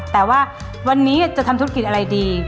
แต่ว่าวันนี้จะทำธุรกิจอะไรดี